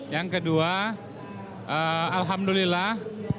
yang kedua alhamdulillah